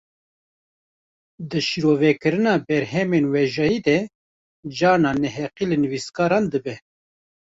Di şîrovekirina berhemên wêjeyî de, carnan neheqî li nivîskaran dibe